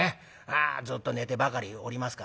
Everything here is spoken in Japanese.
ずっと寝てばかりおりますからね。